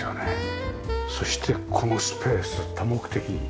そしてこのスペース多目的。